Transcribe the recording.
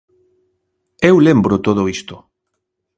Eu lembro todo isto.